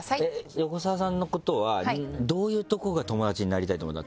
横澤さんのことはどういうとこが友達になりたいと思ったの？